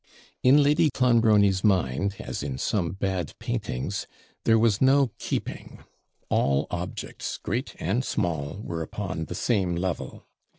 In Lady Clonbrony's mind, as in some bad paintings, there was no KEEPING; all objects, great and small, were upon the same level.